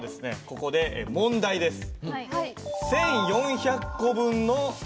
ここで問題です。